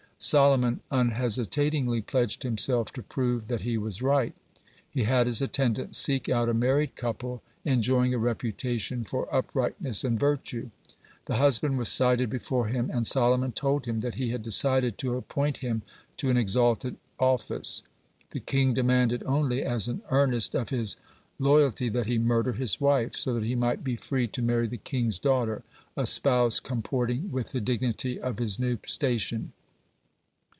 Solomon unhesitatingly pledged himself to prove that he was right. He had his attendants seek out a married couple enjoying a reputation for uprightness and virtue. The husband was cited before him, and Solomon told him that he had decided to appoint him to an exalted office. The king demanded only, as an earnest of his loyalty, that he murder his wife, so that he might be free to marry the king's daughter, a spouse comporting with the dignity of his new station.